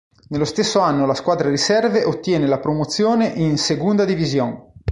Nello stesso anno la squadra riserve ottiene la promozione in Segunda División.